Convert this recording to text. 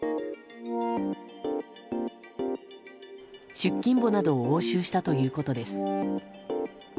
出勤簿などを押収したということです。